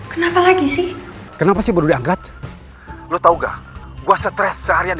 kenapa lagi sih kenapa sih baru diangkat lu tahu gak gue stress seharian